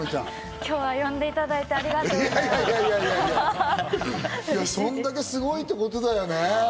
今日は呼んでいただいてありそんだけすごいってことだよね。